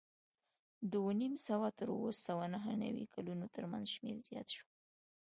د اوه نیم سوه تر اوه سوه نهه نوې کلونو ترمنځ شمېر زیات شو